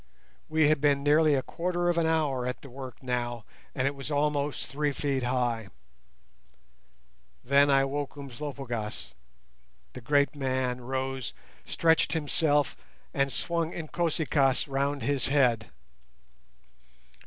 We had been nearly a quarter of an hour at the work now, and it was almost three feet high. Then I woke Umslopogaas. The great man rose, stretched himself, and swung Inkosi kaas round his head.